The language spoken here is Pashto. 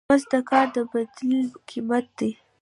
مزد د کار د بدیل قیمت دی.